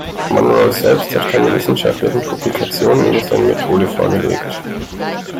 Monroe selbst hat keine wissenschaftlichen Publikationen über seine Methode vorgelegt.